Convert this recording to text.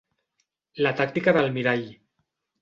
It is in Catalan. La tàctica del mirall.